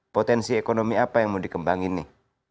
potensi ekonomi apa yang mau dikembangin nih